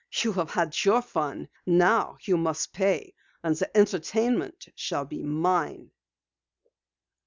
"You have had your fun. Now you must pay, and the entertainment shall be mine!"